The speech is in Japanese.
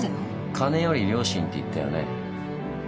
金より良心って言ったよね？